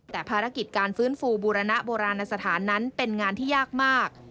แต่ภารกิจการฟื้นฟูบูรณโบราณสถานนั้นเป็นงานที่ยากมาก